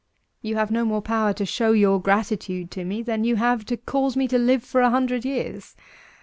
You have no more power to show your gratitude to me than you have to cause me to live for a hundred years.